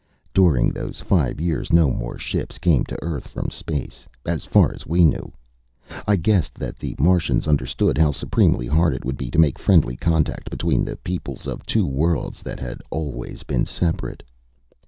During those five years, no more ships came to Earth from space, as far as we knew. I guessed that the Martians understood how supremely hard it would be to make friendly contact between the peoples of two worlds that had always been separate.